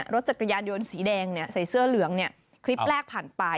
รถจักรยานยนต์สีแดงใส่เสื้อเหลืองคลิปแรกผ่านไป